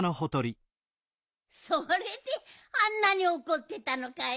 それであんなにおこってたのかい。